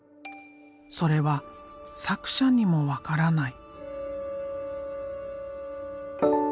それは作者にも分からない。